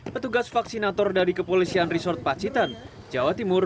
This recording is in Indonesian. petugas vaksinator dari kepolisian resort pacitan jawa timur